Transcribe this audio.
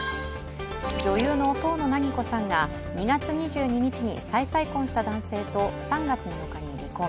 女優の遠野なぎこさんが２月２２日に再々婚した男性と、３月７日に離婚。